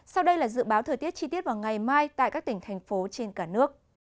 sau đây là dự báo thời tiết chi tiết vào ngày mai tại các tỉnh thành phố trên cả nước